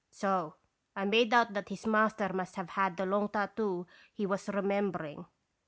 So I made out that his master must have had the long tattoo he was remem bering.